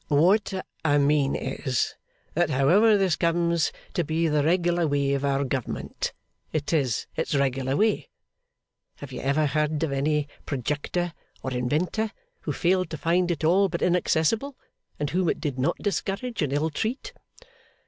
'What I mean is, that however this comes to be the regular way of our government, it is its regular way. Have you ever heard of any projector or inventor who failed to find it all but inaccessible, and whom it did not discourage and ill treat?